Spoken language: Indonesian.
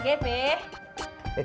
cukup dah nasinya